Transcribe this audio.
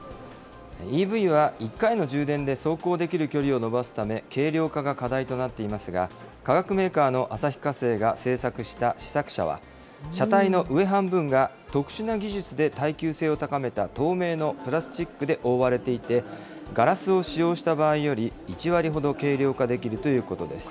ＥＶは１回の充電で走行できる距離を伸ばすため、軽量化が課題となっていますが、化学メーカーの旭化成が製作した試作車は、車体の上半分が特殊な技術で耐久性を高めた透明のプラスチックで覆われていて、ガラスを使用した場合より１割ほど軽量化できるということです。